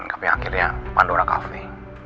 tapi akhirnya pandora cafe